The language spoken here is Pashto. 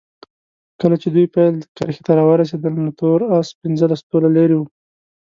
کله چې دوی پیل کرښې ته راورسېدل نو تور اس پنځلس طوله لرې وو.